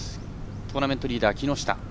トーナメントリーダー、木下。